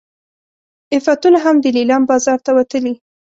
عفتونه هم د لیلام بازار ته وتلي.